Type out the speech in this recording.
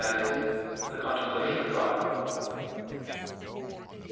e. the contemplation of God.